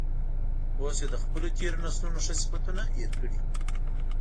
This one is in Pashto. اوس یې د خپلو تیرو نسلونو ښه صفتونه هیر کړي.